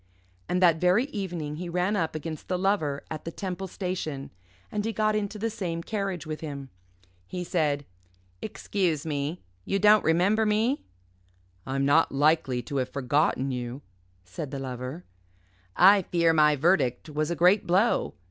And that very evening he ran up against the Lover at the Temple Station, and he got into the same carriage with him. He said, "Excuse me. You don't remember me?" "I'm not likely to have forgotten you," said the Lover. "I fear my verdict was a great blow.